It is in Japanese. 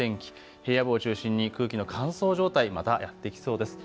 平野部を中心に空気の乾燥状態またやって来そうです。